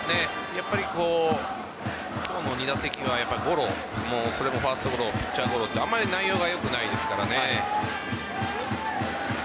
やっぱり今日の２打席はゴロそれもファーストゴロピッチャーゴロって内容があまりよくないですからね。